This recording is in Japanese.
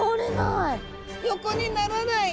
横にならない！